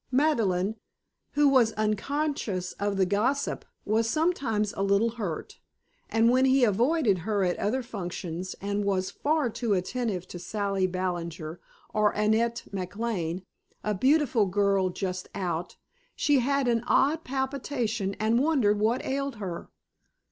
Madeleine, who was unconscious of the gossip, was sometimes a little hurt, and when he avoided her at other functions and was far too attentive to Sally Ballinger, or Annette McLane, a beautiful girl just out, she had an odd palpitation and wondered what ailed her.